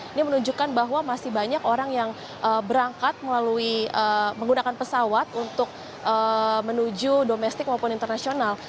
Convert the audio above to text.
ini menunjukkan bahwa masih banyak orang yang berangkat melalui menggunakan pesawat untuk menuju domestik maupun internasional